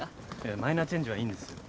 いやマイナーチェンジはいいんですよ。